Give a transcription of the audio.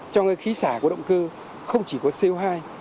trong khí xả của động cơ không chỉ có co hai